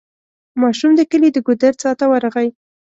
ماشوم د کلي د ګودر څا ته ورغی.